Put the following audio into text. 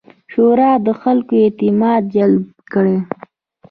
شورا د خلکو اعتماد جلب کړي.